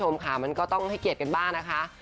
มันก็ต้องให้เกลียดกันบ้างนะคะ